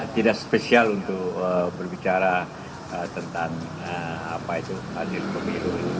tidak spesial untuk berbicara tentang apa itu anis pemilu